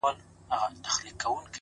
• پر اغزنه زخمي لاره چي رانه سې ,